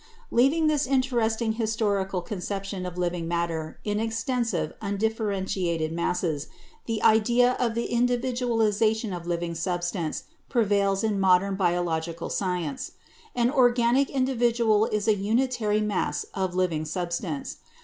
Leaving this interesting historical conception of living matter in extensive undifferentiated masses, the idea of CELL LIFE 57 the individualization of living substance prevails in mod ern biological science. An organic individual is a unitary mass of living substance.